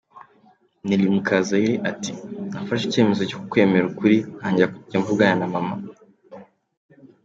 Nelly Mukazayire ati : “Nafashe icyemezo cyo kwemera ukuri, ntangira kujya mvugana na mama.